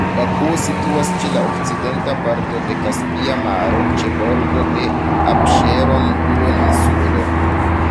Bakuo situas ĉe la okcidenta parto de Kaspia Maro, ĉe bordo de Apŝeron-duoninsulo.